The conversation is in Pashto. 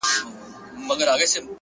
ویره یوازې د ذهن جوړ شوی تصور دی!.